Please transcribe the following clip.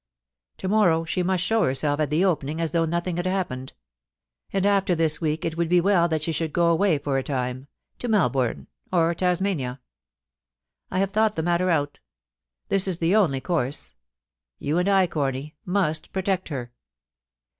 To morrow she must show herself at the Opening as though nothing had happened ; and after this week it would be well that she should go away for a time, to Melbourne or Tasmania. I have thought the matter out This is the only course. You and I, Corny, must protect her.